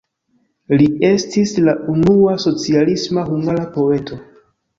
Li estis la unua socialisma hungara poeto.